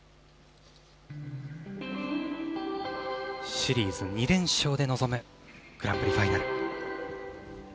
シリーズ２連勝で臨むグランプリファイナル。